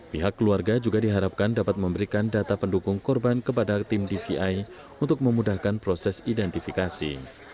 pihak keluarga juga diharapkan dapat memberikan data pendukung korban kepada tim dvi untuk memudahkan proses identifikasi